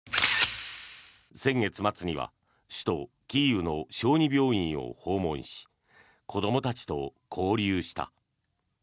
先月末には首都キーウの小児病院を訪問し子どもたちと交流した。